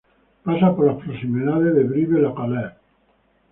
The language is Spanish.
Pasa por las proximidades de Brive-la-Gaillarde.